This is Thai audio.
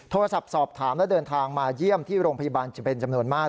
โทรศัพท์สอบถามและเดินทางมาเยี่ยมที่โรงพยาบาลจะเป็นจำนวนมาก